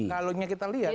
kalau kita lihat